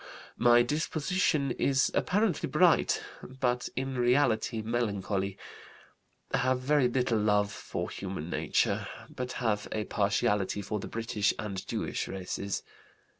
"My disposition is apparently bright, but in reality melancholy. Have very little love for human nature, but have a partiality for the British and Jewish races.